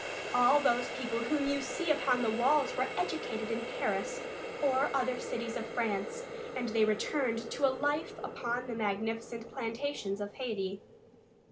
All those people whom you see upon the walls were educated in Paris or other cities of France, and they returned to a life upon the magnificent plantations of Hayti.